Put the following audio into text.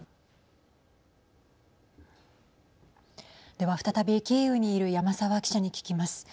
では再びキーウにいる山澤記者に聞きます。